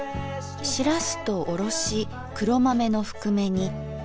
しらすとおろし黒豆のふくめ煮。